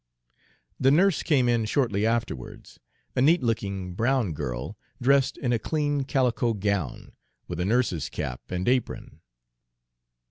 The nurse came in shortly afterwards, a neat looking brown girl, dressed in a clean calico gown, with a nurse's cap and apron.